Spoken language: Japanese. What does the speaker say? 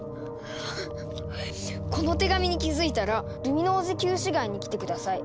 「この手紙に気付いたらルミノージ旧市街に来て下さい。